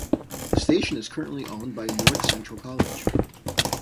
The station is currently owned by North Central College.